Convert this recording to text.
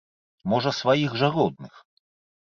Можа сваіх жа родных.